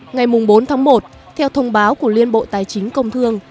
ngày bốn tháng một theo thông báo của liên bộ tài chính công thương